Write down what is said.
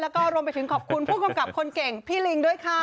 แล้วก็รวมไปถึงขอบคุณผู้กำกับคนเก่งพี่ลิงด้วยค่ะ